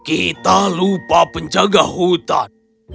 kita lupa penjaga hutan